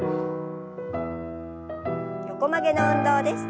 横曲げの運動です。